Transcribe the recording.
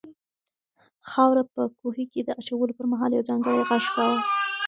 خاوره په کوهي کې د اچولو پر مهال یو ځانګړی غږ کاوه.